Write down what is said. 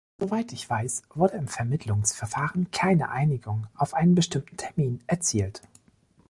Soweit ich weiß, wurde im Vermittlungsverfahren keine Einigung auf einen bestimmten Termin erzielt.